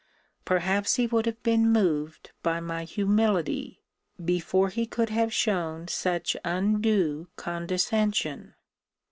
Perhaps he would have been moved by my humility, before he could have shown such undue condescension.